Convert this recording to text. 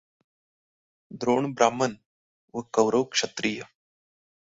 द्रोण ब्राम्हण व कौरव क्षत्रिय.